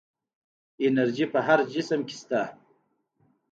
انرژي په هر جسم کې شته.